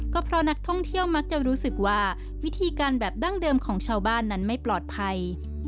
ก็เพราะนักท่องเที่ยวมักจะรู้สึกว่าวิธีการแบบดั้งเดิมของชาวบ้านนั้นไม่ปลอดภัย